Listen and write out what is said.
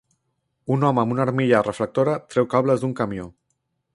Un home amb una armilla reflectora treu cables d'un camió.